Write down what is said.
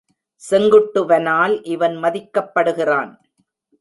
செங்குட்டு வனால் இவன் மதிக்கப்படுகிறான்.